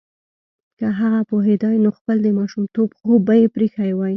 که هغه پوهیدای نو خپل د ماشومتوب خوب به یې پریښی وای